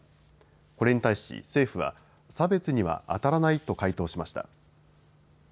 これに対し政府は差別にはあたらないと回答しました。